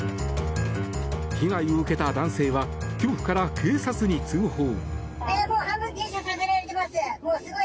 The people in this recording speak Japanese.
被害を受けた男性は恐怖から警察に通報。